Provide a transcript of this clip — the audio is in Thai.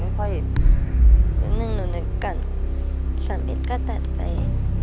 นึกหนึ่งหนูนึกกัน๓๑ก็แตกไป